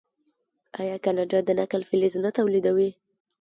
آیا کاناډا د نکل فلز نه تولیدوي؟